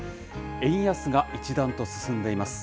円安が一段と進んでいます。